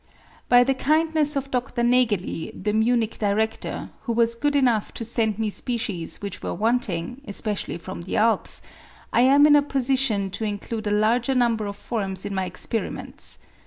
By the kindness of Dr Nageli, the Munich Director, who was good enough to send me species which were wanting, especially from the Alps, I am in a position to include a larger number of forms in my experiments.